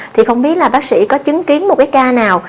thì không biết là bác sĩ có chứng kiến một cái ca nào